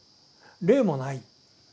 霊もない。